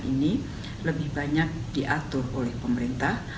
ini lebih banyak diatur oleh pemerintah